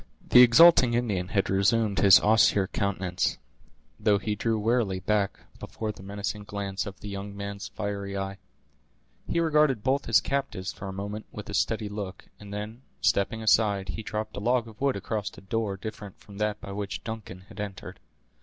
The exulting Indian had resumed his austere countenance, though he drew warily back before the menacing glance of the young man's fiery eye. He regarded both his captives for a moment with a steady look, and then, stepping aside, he dropped a log of wood across a door different from that by which Duncan had entered.